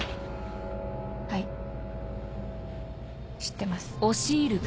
はい知ってます。